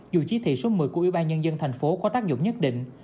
dù chỉ thị số một mươi của ủy ban nhân dân tp hcm có tác dụng nhất định